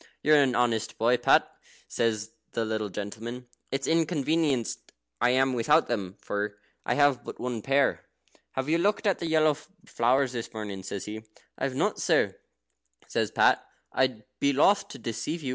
"You're an honest boy, Pat," says the little gentleman. "It's inconvenienced I am without them, for. I have but the one pair. Have you looked at the yellow flowers this morning?" he says. "I have not, sir," says Pat; "I'd be loth to deceive you.